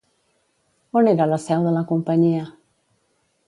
On era la seu de la companyia?